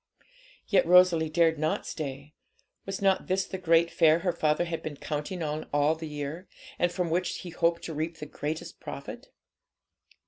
Yet Rosalie dared not stay. Was not this the great fair her father had been counting on all the year, and from which he hoped to reap the greatest profit?